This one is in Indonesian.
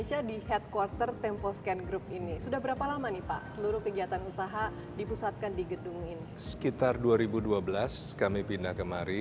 sekitar dua ribu dua belas kami pindah kemari